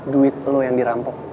duit lo yang dirampok